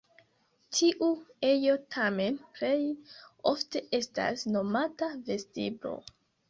Tiu ejo tamen plej ofte estas nomata vestiblo.